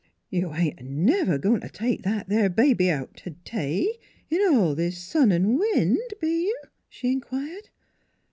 " You ain't never a goin' t' take that there baby out t'day, in all this sun an' wind, be you? " she inquired.